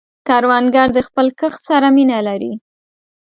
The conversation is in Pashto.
کروندګر د خپل کښت سره مینه لري